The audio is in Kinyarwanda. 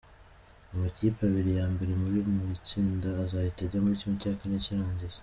Amakipe abiri ya mbere muri buri tsinda azahita ajya muri ¼ cy’irangiza.